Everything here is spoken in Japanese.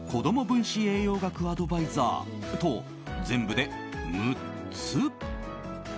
分子栄養学アドバイザーと全部で６つ。